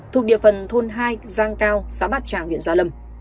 thuộc địa phần thôn hai giang cao xã bát tràng huyện gia lâm